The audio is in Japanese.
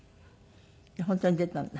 本当に出たんだ。